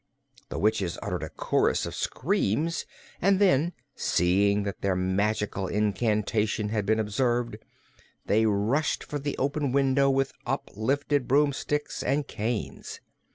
The witches uttered a chorus of screams and then, seeing that their magical incantation had been observed, they rushed for the open window with uplifted broomsticks and canes.